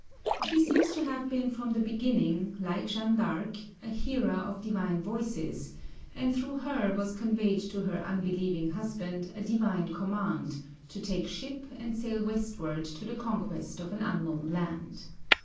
She seems to have been from the beginning, like Jeanne D'Arc, a hearer of divine voices; and through her was conveyed to her unbelieving husband a divine command, to take ship and sail westward to the conquest of an unknown land.